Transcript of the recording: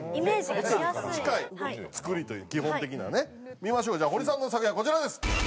見ましょうじゃあ堀さんの作品はこちらです。